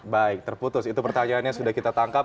baik terputus itu pertanyaannya sudah kita tangkap